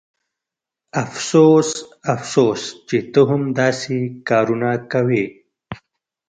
افسوس افسوس چې ته هم داسې کارونه کوې